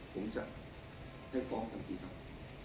ผมจะให้ฟ้องทันทีครับ